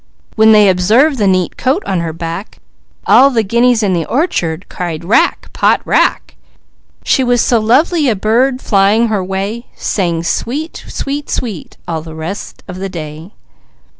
When they observed the neat coat on her back, All the guineas in the orchard cried: "Rack! Pot rack!" She was so lovely a bird flying her way, Sang "Sweet, sweet, sweet!" all the rest of the day.